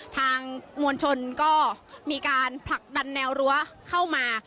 ทางมวลชนก็มีการผลักดันแนวรั้วเข้ามา